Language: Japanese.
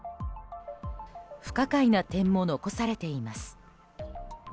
不可解な点も残されています。